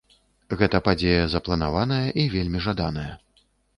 Гэта падзея запланаваная і вельмі жаданая.